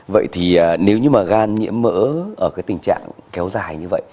vậy thì nếu như mà gan nhiễm mỡ ở cái tình trạng kéo dài như vậy